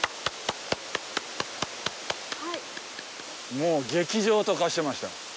もう劇場と化してました。